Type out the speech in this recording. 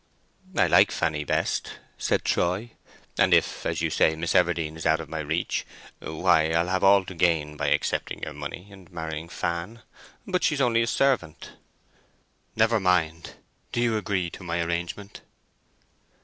"I like Fanny best," said Troy; "and if, as you say, Miss Everdene is out of my reach, why I have all to gain by accepting your money, and marrying Fan. But she's only a servant." "Never mind—do you agree to my arrangement?"